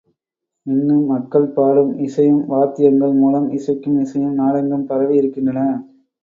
இன்னும் மக்கள் பாடும் இசையும், வாத்தியங்கள் மூலம் இசைக்கும் இசையும், நாடெங்கும் பரவி இருக்கின்றன.